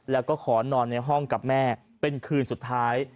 แล้วก็ขอนอนในห้องกับแม่เป็นคืนสุดท้าย